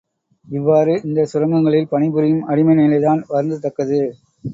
இவ்வாறு இந்தச் சுரங்கங்களில் பணிபுரியும் அடிமை நிலைதான் வருந்தத்தக்கது.